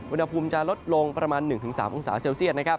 อุณหภูมิจะลดลงประมาณ๑๓องศาเซลเซียต